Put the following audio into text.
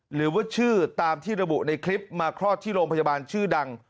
หรือว่าชื่อตามที่ระบุในคลิปมาคลอดที่โรงพยาบาลชื่อดัง